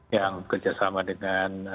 yang bekerjasama dengan